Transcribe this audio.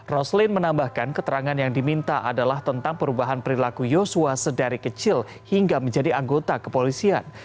roslin menambahkan keterangan yang diminta adalah tentang perubahan perilaku yosua sedari kecil hingga menjadi anggota kepolisian